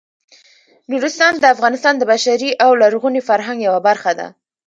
نورستان د افغانستان د بشري او لرغوني فرهنګ یوه برخه ده.